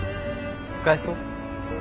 使えそう？